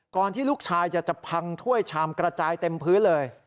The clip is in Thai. ที่ลูกชายจะพังถ้วยชามกระจายเต็มพื้นเลย